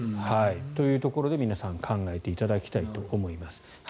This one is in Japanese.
というところで皆さん考えていただきたいと思います。